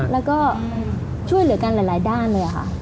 แล้วก็ช่วยเหลือกันหลายด้านเลยค่ะ